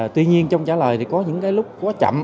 tuy nhiên trong trả lời có những lúc quá chậm